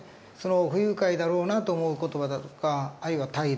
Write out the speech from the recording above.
不愉快だろうなと思う言葉だとかあるいは態度